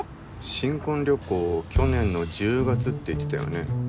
新婚旅行去年の１０月って言ってたよね？